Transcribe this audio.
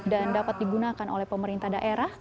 dan dapat digunakan oleh pemerintah daerah